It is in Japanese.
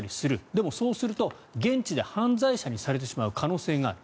でも、そうすると現地で犯罪者にされてしまう可能性がある。